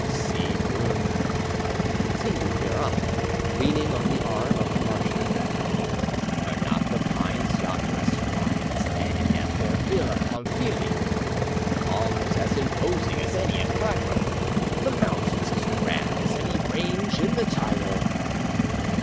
See, Brune," continued Murat, leaning on the arm of the marshal, "are not the pines yonder as fine as any at the Villa Pamfili, the palms as imposing as any at Cairo, the mountains as grand as any range in the Tyrol?